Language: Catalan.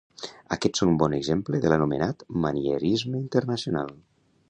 Aquests són un bon exemple de l'anomenat manierisme internacional.